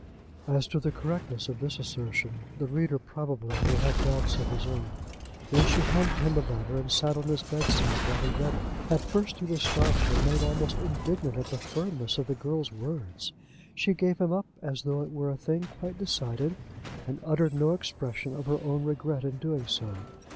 As to the correctness of this assertion the reader probably will have doubts of his own. Then she handed him the letter, and sat on his bed side while he read it. At first he was startled, and made almost indignant at the firmness of the girl's words. She gave him up as though it were a thing quite decided, and uttered no expression of her own regret in doing so.